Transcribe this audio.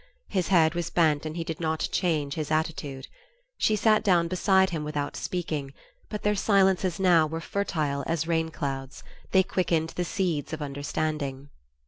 His head was bent and he did not change his attitude. She sat down beside him without speaking; but their silences now were fertile as rain clouds they quickened the seeds of understanding.